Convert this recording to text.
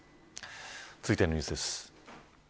続いてのニュースです。